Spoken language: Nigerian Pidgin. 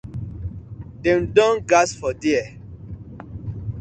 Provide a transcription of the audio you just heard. De don don gas for dier.